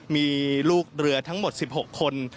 มีลูกเรือทั้งหมด๑๖คน